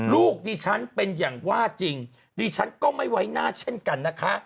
ลูกดิฉันเป็นอย่างว่าจริงดิฉันก็ไม่ไว้หน้าเช่นกันนะคะ